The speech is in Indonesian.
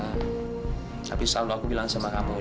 tapi selalu aku bilang sama kamu